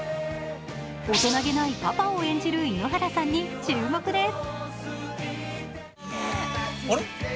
大人げないパパを演じる井ノ原さんに注目です。